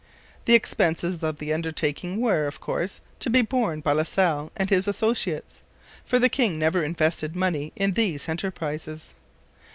The expenses of the undertaking were, of course, to be borne by La Salle and his associates, for the king never invested money in these enterprises.